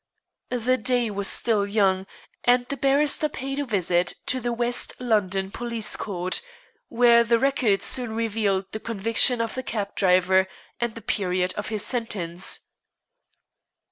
The day was still young, and the barrister paid a visit to the West London Police Court, where the records soon revealed the conviction of the cab driver and the period of his sentence.